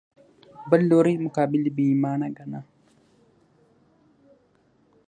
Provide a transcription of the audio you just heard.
بل لوري مقابل بې ایمانه ګاڼه